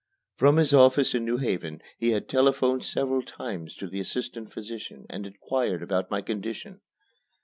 From his office in New Haven he had telephoned several times to the assistant physician and inquired about my condition.